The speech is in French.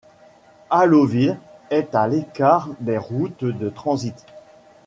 Halloville est à l'ecart des routes de transit.